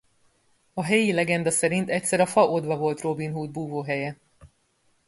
A helyi legenda szerint egyszer a fa odva volt Robin Hood búvóhelye.